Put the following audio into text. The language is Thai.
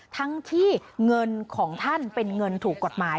ทั้งที่เงินของท่านเป็นเงินถูกกฎหมาย